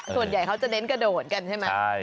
ส่วนใหญ่เขาจะเน้นกระโดดกันใช่ไหม